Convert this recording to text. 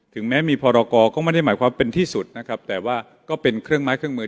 แม้มีพรกรก็ไม่ได้หมายความเป็นที่สุดนะครับแต่ว่าก็เป็นเครื่องไม้เครื่องมือ